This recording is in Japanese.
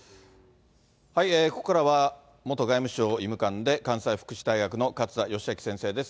ここからは、元外務省医務官で、関西福祉大学の勝田吉彰先生です。